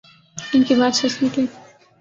ان کی بات سچ نکلی۔